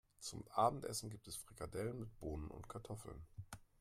Zum Abendessen gibt es Frikadellen mit Bohnen und Kartoffeln.